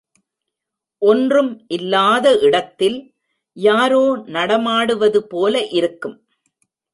ஒன்றும் இல்லாத இடத்தில் யாரோ நடமாடுவது போல இருக்கும்.